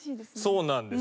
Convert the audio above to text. そうなんです。